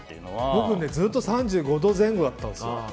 僕ね、ずっと３５度前後だったんですよ